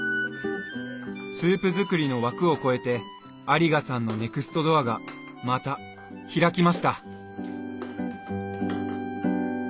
スープ作りの枠を超えて有賀さんのネクストドアがまた開きました。